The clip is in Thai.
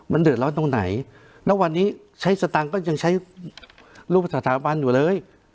มันเดือดร้อนตรงไหนแล้ววันนี้ใช้สตางค์ก็ยังใช้รูปสถาบันอยู่เลย